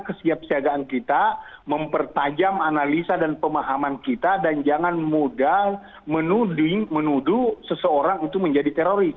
kesiapsiagaan kita mempertajam analisa dan pemahaman kita dan jangan mudah menuduh seseorang itu menjadi teroris